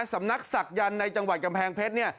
สำนักศักยันต์ในจังหวัดกำแพงเพชรเนี่ย